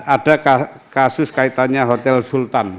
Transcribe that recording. ada kasus kaitannya hotel sultan